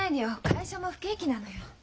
会社も不景気なのよ。